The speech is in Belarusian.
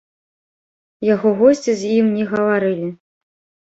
Яго госці з ім не гаварылі.